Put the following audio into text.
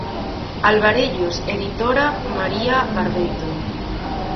Alvarellos Editora María Barbeito.